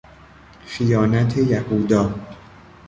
خیانت یهودا